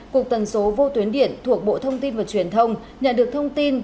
cục tần số vô tuyến điện thuộc bộ thông tin và truyền thông nhận được thông tin